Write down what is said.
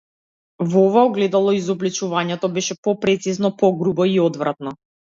Во ова огледало изобличувањето беше попрецизно, погрубо, и одвратно.